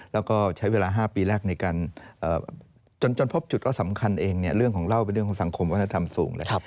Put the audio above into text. แล้วก็ใช้เวลา๕ปีแรกในการจนพบจุดก็สำคัญเองเรื่องของเล่าเป็นเรื่องของสังคมวัฒนธรรมสูงแล้ว